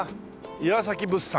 「岩崎物産」